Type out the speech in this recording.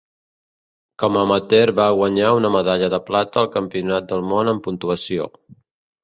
Com amateur va guanyar una medalla de plata al Campionat del món en Puntuació.